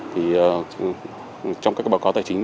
thì trong các báo cáo tài chính